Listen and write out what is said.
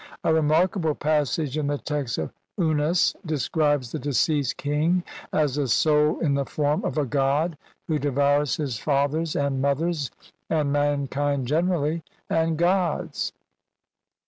A remark able passage in the text of Unas (1. 496 ff.) describes the deceased king as a soul in the form of a god who devours his fathers and mothers, and mankind generally, and gods.